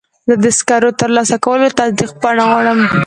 زه د سکرو د ترلاسه کولو تصدیق پاڼه غواړم.